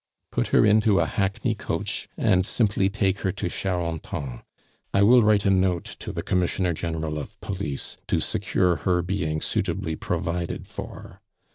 "Put her into a hackney coach, and simply take her to Charenton; I will write a note to the Commissioner General of Police to secure her being suitably provided for.